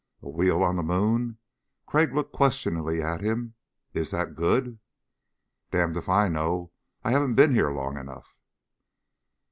"A wheel on the moon." Crag looked questioningly at him. "Is that good?" "Damned if I know. I haven't been here long enough."